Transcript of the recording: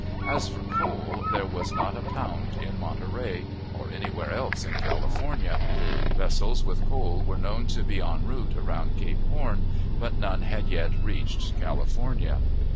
As for coal, there was not a pound in Monterey, or anywhere else in California. Vessels with coal were known to be en route around Cape Horn, but none had yet reached California.